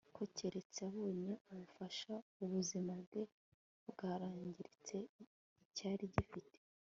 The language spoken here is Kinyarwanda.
ko keretse abonye ubufasha, ubuzima bwe bwarangiritse. icyari gifite